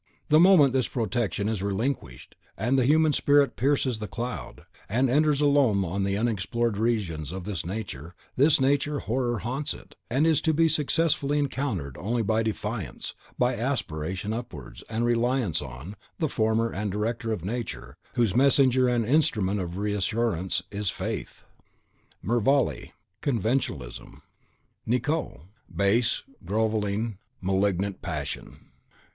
The moment this protection is relinquished, and the human spirit pierces the cloud, and enters alone on the unexplored regions of Nature, this Natural Horror haunts it, and is to be successfully encountered only by defiance, by aspiration towards, and reliance on, the Former and Director of Nature, whose Messenger and Instrument of reassurance is Faith. MERVALE: CONVENTIONALISM. NICOT: Base, grovelling, malignant PASSION.